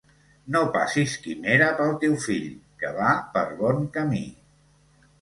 No passis quimera pel teu fill, que va per bon camí.